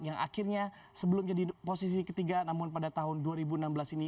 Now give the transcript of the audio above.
yang akhirnya sebelumnya di posisi ketiga namun pada tahun dua ribu enam belas ini